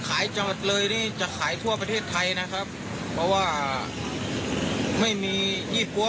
ถ้าให้หมดจะไม่มีปัญหาจะไม่ได้ไปซื้อต่อค่ะคือเราได้จนที่แล้ว